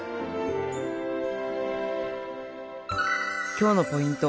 今日のポイント。